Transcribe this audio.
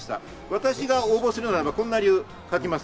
私が応募するならこんな理由です。